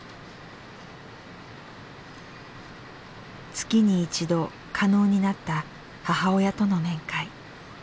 月に一度可能になった母親との面会。